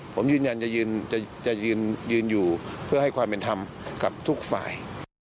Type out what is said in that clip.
ผมยืนยันจะยืนอยู่เพื่อให้ความเป็นธรรมกับทุกฝ่าย